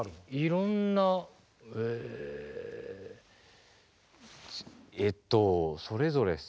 いろんなえっとそれぞれっすね。